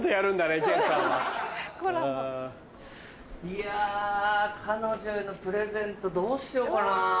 いや彼女へのプレゼントどうしようかな？